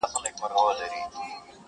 لوڅ لپړ توره تر ملا شمله یې جګه.!